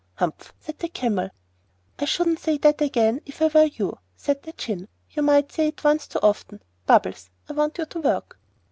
'Humph!' said the Camel. 'I shouldn't say that again if I were you,' said the Djinn; you might say it once too often. Bubbles, I want you to work.